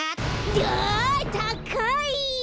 だったかい！